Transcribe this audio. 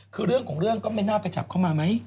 คือเรื่องของเรื่องก็ไม่น่าไปจับเข้ามาไหม